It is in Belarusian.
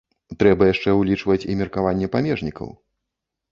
Трэба яшчэ ўлічваць і меркаванне памежнікаў.